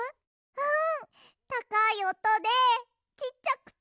うん！